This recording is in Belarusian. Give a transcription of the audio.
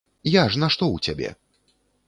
Я ж нашто ў цябе?